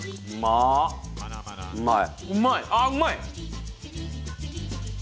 あうまい！